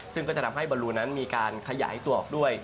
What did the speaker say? ซึ่งก็จะทำให้บอลลูนั้นมีการขยายตัวออกด้วย